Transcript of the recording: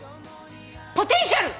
「ポ」ポテンシャル！